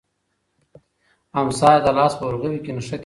امسا یې د لاس په ورغوي کې نښتې وه.